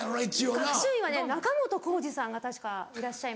学習院はね仲本工事さんが確かいらっしゃいました。